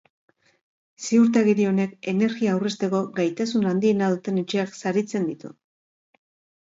Ziurtagiri honek energia aurrezteko gaitasun handiena duten etxeak saritzen ditu.